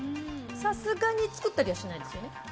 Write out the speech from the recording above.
さすがに作ったりはしないですよね？